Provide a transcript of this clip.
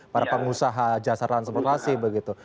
para pengusaha jasa transportasi begitu